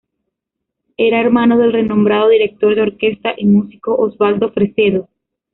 Era hermano del renombrado director de orquesta y músico Osvaldo Fresedo.